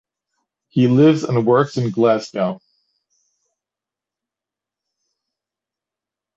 He lives and works in Glasgow.